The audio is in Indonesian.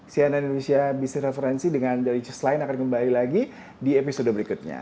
sian indonesia business reference dengan the riches lain akan kembali lagi di episode berikutnya